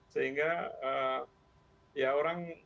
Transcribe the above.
sehingga ya orang